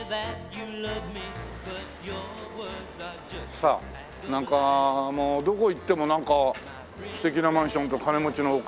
さあなんかもうどこ行っても素敵なマンションと金持ちの奥さん方しか。